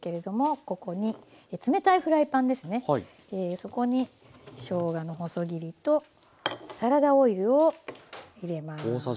そこにしょうがの細切りとサラダオイルを入れます。